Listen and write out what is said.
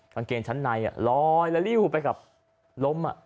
กางเกงชั้นในลอยละริ้วไปกับล้ม